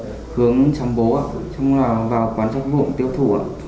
lân hướng sắm bố ạ xong vào quán trách vụ tiêu thủ ạ